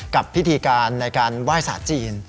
กับพิธีการในการไหว้ศาสตร์จีน